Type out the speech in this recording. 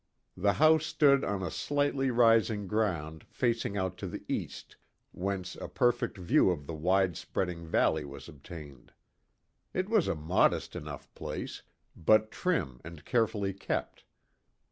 The house stood on a slightly rising ground facing out to the east, whence a perfect view of the wide spreading valley was obtained. It was a modest enough place, but trim and carefully kept.